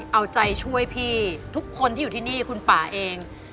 เอาใจช่วยพี่ทุกคนที่อยู่ที่นี่คุณป่าเอง